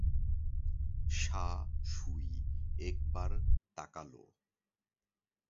সা সুই একবার তাকাল।